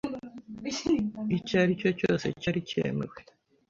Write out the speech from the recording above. icyaricyo cyose cyari cyemewe